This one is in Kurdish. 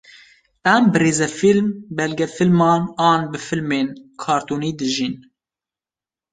em bi rêzefîlim, belge fîliman an bi fîlmên qartonî dijîn.